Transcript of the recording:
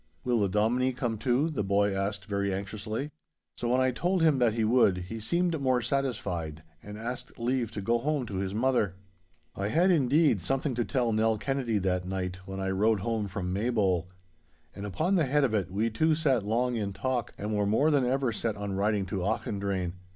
'Will the Dominie come too?' the boy asked very anxiously. So when I told him that he would, he seemed more satisfied, and asked leave to go home to his mother. I had, indeed, something to tell Nell Kennedy that night when I rode home from Maybole. And upon the head of it we two sat long in talk, and were more than ever set on riding to Auchendrayne.